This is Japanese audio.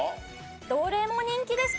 どれも人気ですかね。